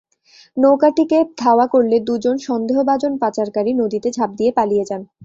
নৌকাটিকে ধাওয়া করলে দুজন সন্দেহভাজন পাচারকারী নদীতে ঝাঁপ দিয়ে পালিয়ে যান।